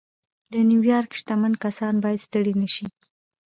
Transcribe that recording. د نيويارک شتمن کسان بايد ستړي نه شي.